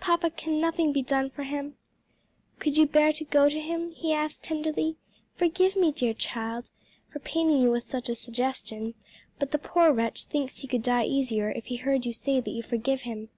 Papa, can nothing be done for him?" "Could you bear to go to him?" he asked tenderly. "Forgive me, dear child, for paining you with such a suggestion; but the poor wretch thinks he could die easier if he heard you say that you forgive him."